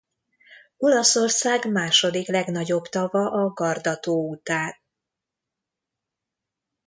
Olaszország második legnagyobb tava a Garda-tó után.